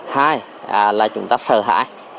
hai là chúng ta sợ hãi